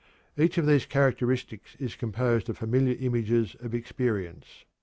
Each of these characteristics is composed of familiar images of experience.